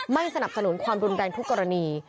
สนับสนุนความรุนแรงทุกกรณี